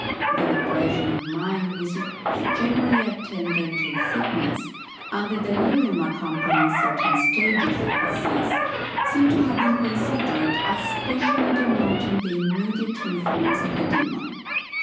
The depression of mind which is generally attendant on sickness, and the delirium accompanying certain stages of disease, seem to have been considered as especially denoting the immediate influence of a demon.